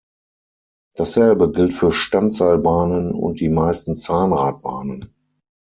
Dasselbe gilt für Standseilbahnen und die meisten Zahnradbahnen.